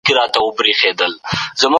د ژمي مېوې وخوره